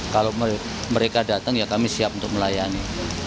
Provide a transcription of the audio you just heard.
kalau mereka datang ya kami siap untuk melayani